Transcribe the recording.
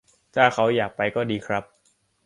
ถ้าเขาอยากไปก็ดีครับ